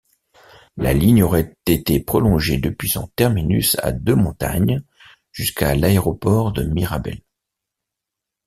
La ligne aurait été prolongée depuis son terminus à Deux-Montagnes jusqu'à l’aéroport de Mirabel.